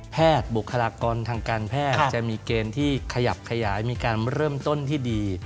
บุคลากรทางการแพทย์จะมีเกณฑ์ที่ขยับขยายมีการเริ่มต้นที่ดี